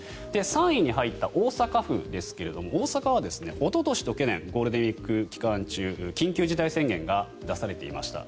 ３位に入った大阪府ですけれども大阪はおととしと去年ゴールデンウィーク期間中緊急事態宣言が出されていました。